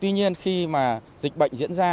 tuy nhiên khi mà dịch bệnh diễn ra